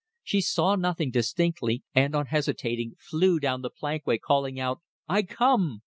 She saw nothing distinctly, and, unhesitating, flew down the plankway calling out: "I come!"